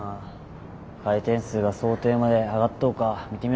回転数が想定まで上がっとうか見てみらないかんね。